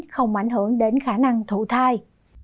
không ảnh hưởng đến khả năng thụ thai